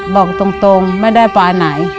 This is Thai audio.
บอกตรงไม่ได้ไปไหน